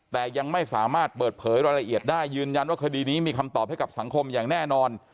แต่ยังไม่สามารถเปิดเผยรายละเอียดได้ยืนยันว่าคดีนี้มีคำตอบให้กับสังคมอย่างแน่นอน